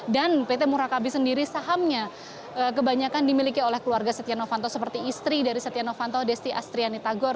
dan pt murakabi sendiri sahamnya kebanyakan dimiliki oleh keluarga setia novanto seperti istri dari setia novanto desti astriani tagor